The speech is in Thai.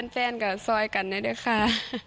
แฟนกับซอยกันได้ด้วยค่ะ